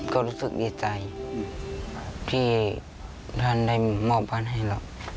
ก็รู้สึกดีใจที่ท่านได้มอบบ้านให้เรา